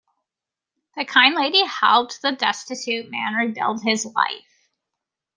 The kind lady helped the destitute man rebuild his life.